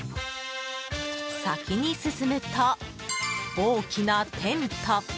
先に進むと、大きなテント。